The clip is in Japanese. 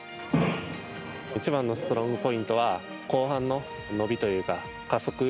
一番のストロングポイントは後半の伸びというか加速。